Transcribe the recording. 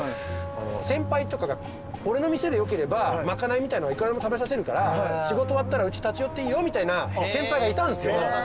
先輩とかが俺の店でよければ賄いみたいなのはいくらでも食べさせるから仕事終わったらうち立ち寄っていいよみたいな先輩がいたんすよ。